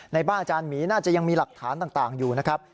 ในบ้านอาจารย์หมีน่าจะยังมีหลักฐานต่างอยู่นะครับ